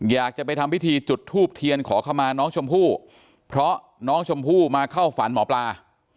อยากจะไปทำพิธีจุดทูบเทียนขอเข้ามาน้องชมพู่เพราะน้องชมพู่มาเข้าฝันหมอปลา